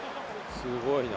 すごいな。